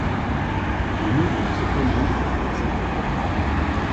Le nombre de ses commandes va s'accroître.